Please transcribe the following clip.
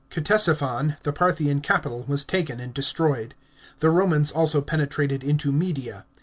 Ctesiphon, the Parthian capital, was taken and destroyed. The Romans also penetrated into Media.